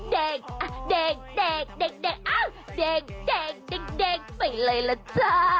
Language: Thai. เดงเอ้ยเดงเดงเดงไปเลยล่ะจ้า